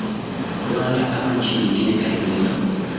rwanda ama nchi nyingine karibuni